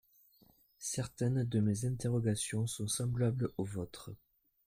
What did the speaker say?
Certaines de mes interrogations sont semblables aux vôtres.